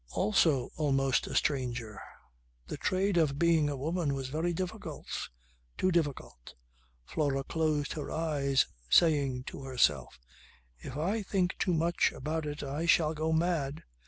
Also almost a stranger. The trade of being a woman was very difficult. Too difficult. Flora closed her eyes saying to herself: "If I think too much about it I shall go mad."